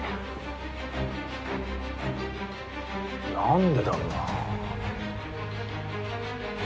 なんでだろうな。